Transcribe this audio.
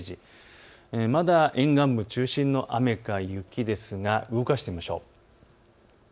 まだ沿岸部中心の雨か雪ですが動かしてみましょう。